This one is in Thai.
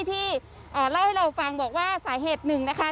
ที่เล่าให้เราฟังบอกว่าสาเหตุหนึ่งนะคะ